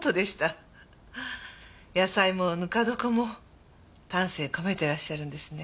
野菜もぬか床も丹精込めてらっしゃるんですね。